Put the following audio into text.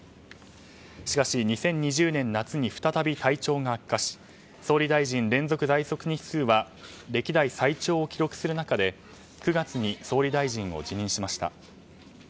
しかし２０２０年夏に再び体調が悪化し総理大臣連続在籍日数は歴代最長を記録する中で９月に総理大臣を辞任しました。